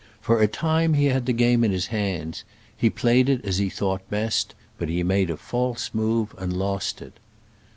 For a time he had the game in his hands : he played it as he thought best, but he made a false move, and lost it.